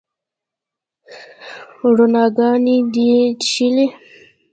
روڼاګاني دي چیښلې